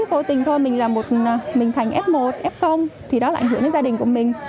vô tình thôi mình là một mình thành f một f thì đó là ảnh hưởng đến gia đình của mình